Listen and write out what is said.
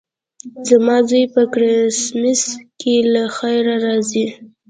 زما زوی په کرېسمس کې له خیره راځي.